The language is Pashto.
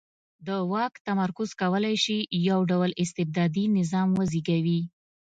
د واک تمرکز کولای شي یو ډ ول استبدادي نظام وزېږوي.